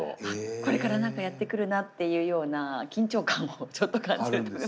これから何かやって来るなっていうような緊張感もちょっと感じる食べ物なんですけど。